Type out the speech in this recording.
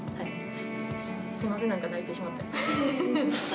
すみません、なんか泣いてしまって。